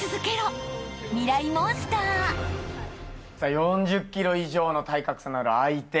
４０ｋｇ以上の体格差のある相手。